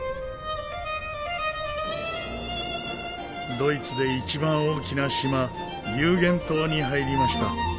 ドイツで一番大きな島リューゲン島に入りました。